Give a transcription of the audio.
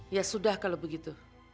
ya sudah kalau begitu